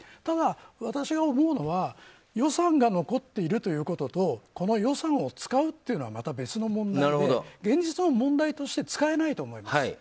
ただ私が思うのは予算が残っているということとこの予算を使うというのはまた別の問題で現実の問題として使えないと思います。